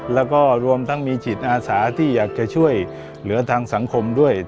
แล้วก็รวมทั้งมีจิตอาสาที่อยากจะช่วยเหลือทางสังคมด้วย